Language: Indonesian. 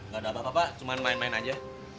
gak ada apa apa pak cuma main main aja